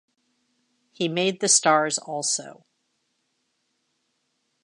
he made the stars also.